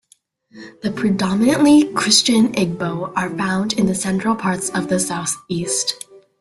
The predominantly Christian Igbo are found in the central parts of the southeast.